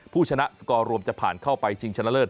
ผู้ชนะสกอร์รวมจะผ่านเข้าไปชิงชนะเลิศ